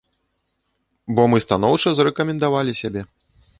Бо мы станоўча зарэкамендавалі сябе.